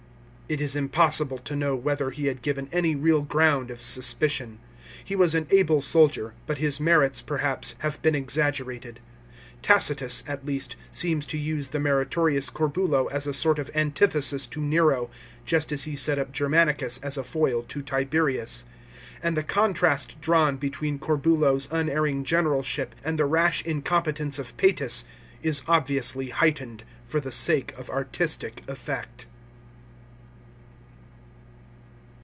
" It is impossible to know whether he had given any real ground of suspicion. He was an able soldier, but his merits, perhaps, have been exaggerated. Tacitus, at least, seems to use the meritorious Corbulo as a sort of antithesis to Nero, just as he set up Germanicus as a foil to Tiberius ; and the contrast drawn between Corbulo's unerring generalship and the rash incompetence of Psetus is obviously heightened for the sake of artistic effect.